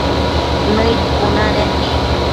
Nëid cuna nec